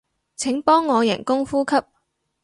請幫我人工呼吸